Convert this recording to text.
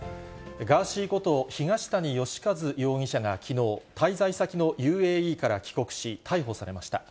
ガーシーこと東谷義和容疑者がきのう、滞在先のＵＡＥから帰国し、逮捕されました。